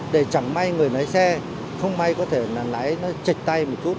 để chẳng may người lái xe không may có thể lái nó chạy tay một chút